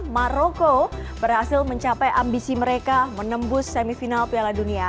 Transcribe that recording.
maroko berhasil mencapai ambisi mereka menembus semifinal piala dunia